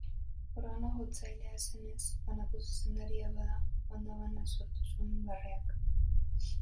Organo-jotzailea zenez bandako zuzendaria, bada, banda bana sortu zuten barreak.